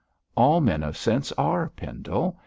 'All men of sense are, Pendle.